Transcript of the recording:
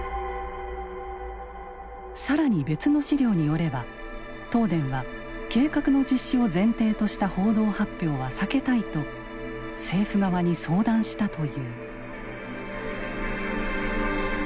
更に別の資料によれば東電は計画の実施を前提とした報道発表は避けたいと政府側に相談したという。